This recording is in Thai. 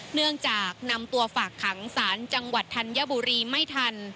เนื่องจากนำตัวฝากขังศาลจังหวัดธัญบุรีไม่ทัน